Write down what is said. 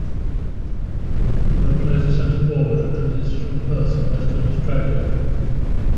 Hooper plays a centre forward and is from Perth in Western Australia.